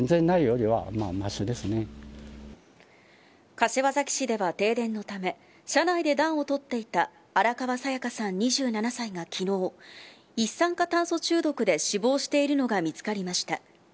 柏崎市では停電のため車内で暖を取っていた荒川紗夜嘉さん、２７歳が昨日一酸化炭素中毒で死亡しているのが見つかりました。